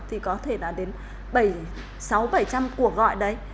thì có thể là đến sáu bảy trăm linh cuộc gọi đấy